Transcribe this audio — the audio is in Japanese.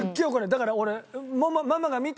だから俺。